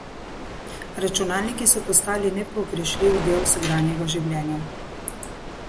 Računalniki so postali nepogrešljiv del vsakdanjega življenja.